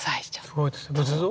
すごいです仏像？